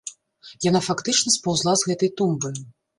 Яна фактычна спаўзла з гэтай тумбы.